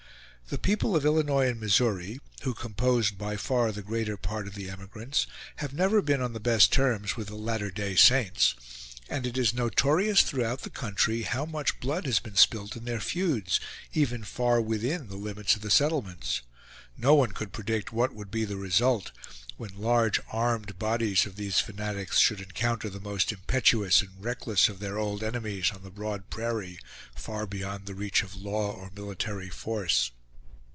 The people of Illinois and Missouri, who composed by far the greater part of the emigrants, have never been on the best terms with the "Latter Day Saints"; and it is notorious throughout the country how much blood has been spilt in their feuds, even far within the limits of the settlements. No one could predict what would be the result, when large armed bodies of these fanatics should encounter the most impetuous and reckless of their old enemies on the broad prairie, far beyond the reach of law or military force.